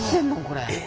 これ。